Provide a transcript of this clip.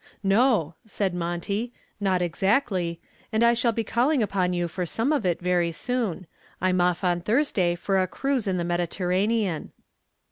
"No," said Monty, "not exactly. And I shall be calling upon you for some of it very soon. I'm off on Thursday for a cruise in the Mediterranean."